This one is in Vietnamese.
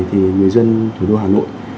thì người dân thủ đô hà nội